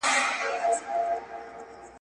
ككرۍ چي يې وهلې د بتانو.